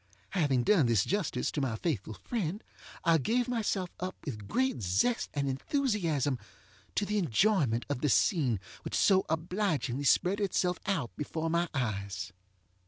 Having done this justice to my faithful friend, I gave myself up with great zest and enthusiasm to the enjoyment of the scene which so obligingly spread itself out before my eyes.